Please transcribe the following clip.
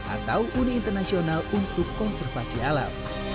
atau uni internasional untuk konservasi alam